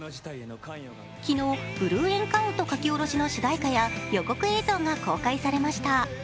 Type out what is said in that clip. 昨日、ＢＬＵＥＥＮＣＯＵＮＴ書き下ろしの主題歌や予告映像が公開されました。